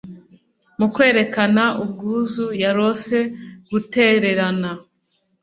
mu kwerekana ubwuzu yarose gutererana